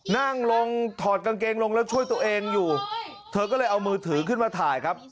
นั่งลงถอดกางเกงลงแล้วช่วยตัวเองอยู่เธอก็เลยเอามือถือขึ้นมาถ่ายครับ